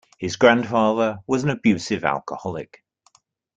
His grandfather was an abusive alcoholic.